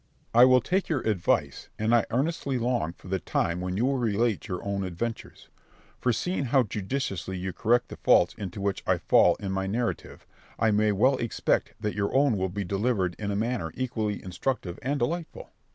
Berg. I will take your advice, and I earnestly long for the time when you will relate your own adventures; for seeing how judiciously you correct the faults into which I fall in my narrative, I may well expect that your own will be delivered in a manner equally instructive and delightful.